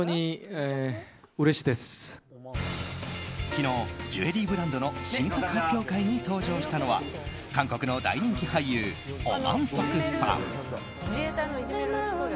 昨日、ジュエリーブランドの新作発表会に登場したのは韓国の大人気俳優オ・マンソクさん。